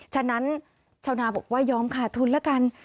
ฉะนั้นชาวนาบอกว่ายอมขาดทุนละกัน